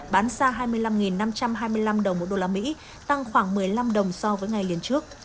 bán ra hai mươi năm năm trăm hai mươi năm đồng một đô la mỹ tăng khoảng một mươi năm đồng so với ngày liên trước